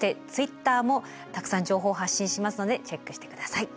そしてＴｗｉｔｔｅｒもたくさん情報を発信しますのでチェックしてください。